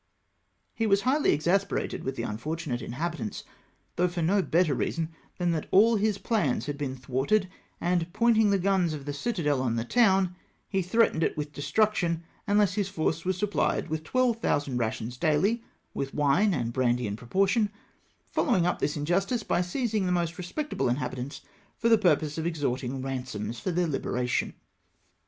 He was highly exasperated ^\dth the un fortunate inhabitants, though for no better reason than that all his plans had been thwarted, and, pointing the guns of the citadel on the town, he threatened it with destruction, unless his force was supphed with 12,000 rations daily, with wine and brandy in proportion ; following up this injustice by seizing the most re spectable inhabitants for the purpose of extorting ransoms for their hberation.